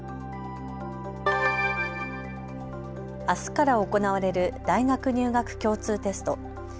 あすから行われる大学入学共通テスト。